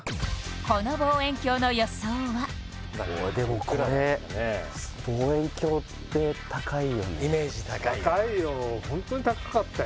この望遠鏡の予想はでもこれ望遠鏡って高いよねイメージ高いよ高いよ